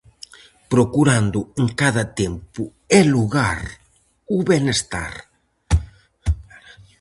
Procurando en cada tempo e lugar o benestar.